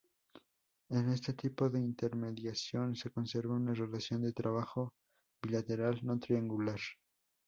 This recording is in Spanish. En este tipo de intermediación se conserva una relación de trabajo bilateral, no triangular.